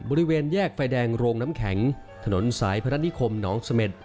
บริเวณแยกไฟแดงโรงน้ำแข็งถนนสายพระนิคมหนองเสม็ด